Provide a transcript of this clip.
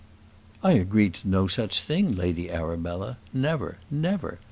"I agreed to no such thing, Lady Arabella; never, never.